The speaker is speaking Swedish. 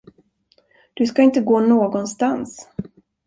Du ska inte gå någonstans.